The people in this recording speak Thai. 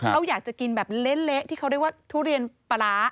เขาอยากจะกินแบบเละที่เขาเรียกว่าทุเรียนปลาร้า